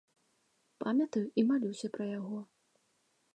Памятаю і малюся пра яго.